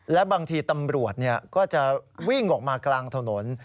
และบางทีตำรวจก็จะวิ่งออกมากลางถนน